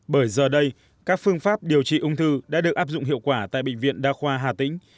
bởi giờ đây các phương pháp điều trị ung thư đã được áp dụng hiệu quả tại bệnh viện đa khoa hà tĩnh